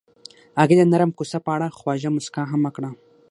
هغې د نرم کوڅه په اړه خوږه موسکا هم وکړه.